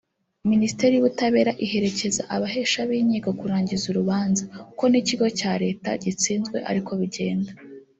Minisiteri y’Ubutabera iherekeza abahesha b’inkiko kurangiza urubanza ko n’ikigo cya Leta gitsinzwe ariko bigenda